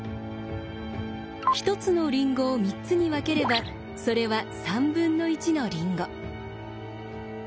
１つのりんごを３つに分ければそれは３分の１のりんご。